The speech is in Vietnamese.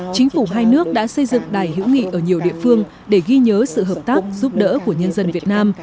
chính phủ hai nước đã xây dựng đài hữu nghị ở nhiều địa phương để ghi nhớ sự hợp tác giúp đỡ của nhân dân việt nam